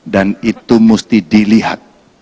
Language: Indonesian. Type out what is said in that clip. dan itu mesti dilihat